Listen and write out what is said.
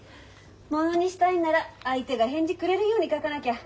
ものにしたいんなら相手が返事くれるように書かなきゃ。